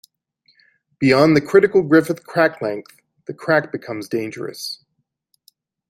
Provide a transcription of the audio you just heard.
Beyond the critical Griffith crack length, the crack becomes dangerous.